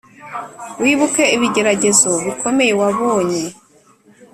wibuke ibigeragezo bikomeye wabonye,